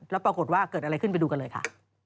แล้วปรากฏว่าเกิดอะไรขึ้นไปดูกันเลยค่ะ